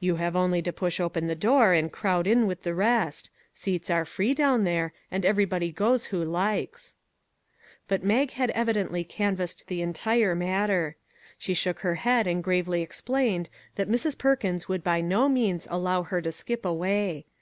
You have only to push open the door and crowd in with the rest; seats are free down there, and everybody goes who likes." But Mag had evidently canvassed the entire matter. She shook her head and gravely ex plained that Mrs. Perkins would by no means allow her to skip away.